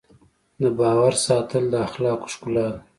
د باور ساتل د اخلاقو ښکلا ده.